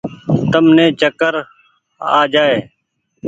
تم ني چڪر آ جآئي ۔